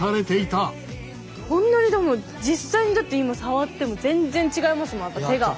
こんなにでも実際に今触っても全然違いますもん手が。